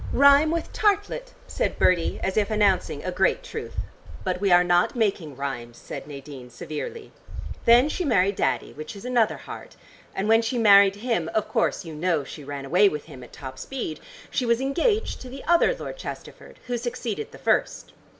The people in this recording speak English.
"Rhyme with tartlet," said Bertie, as if announcing a great truth. "But we are not making rhymes," said Nadine severely. "Then she married Daddy, which is another heart, and when she married him of course you know she ran away with him at top speed she was engaged to the other Lord Chesterford, who succeeded the first."